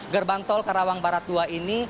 gerbang tol karawang baratua ini